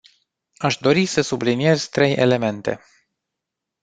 Aș dori să subliniez trei elemente.